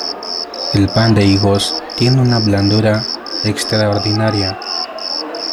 El pan de higos tiene una blandura extraordinaria.